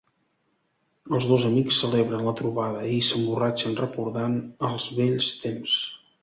Els dos amics celebren la trobada i s'emborratxen recordant els vells temps.